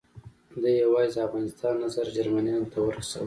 ده یوازې د افغانستان نظر جرمنیانو ته ورساوه.